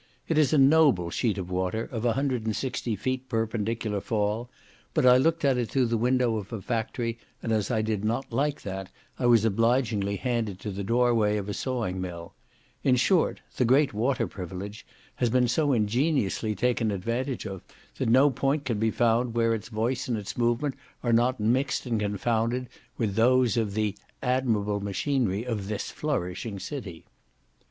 It is a noble sheet of water, of a hundred and sixty feet perpendicular fall; but I looked at it through the window of a factory, and as I did not like that, I was obligingly handed to the door way of a sawing mill; in short, "the great water privilege" has been so ingeniously taken advantage of, that no point can be found where its voice and its movement are not mixed and confounded with those of the "admirable machinery of this flourishing city."